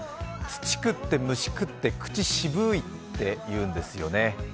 土食って虫食って口渋いっていうんですよね。